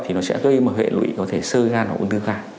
thì nó sẽ gây một hệ lụy có thể sơ gan và quân tư gan